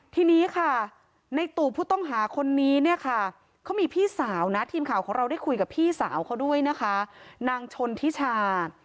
ทีนี้ค่ะในตู่ผู้ต้องหาคนนี้เนี่ยค่ะเขามีพี่สาวนะทีมข่าวของเราได้คุยกับพี่สาวเขาด้วยนะคะนางชนทิชา